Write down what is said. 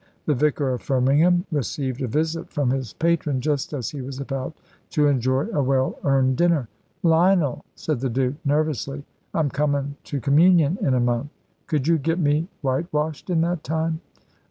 The vicar of Firmingham received a visit from his patron just as he was about to enjoy a well earned dinner. "Lionel," said the Duke, nervously, "I'm comin' to communion in a month. Could you get me whitewashed in that time?"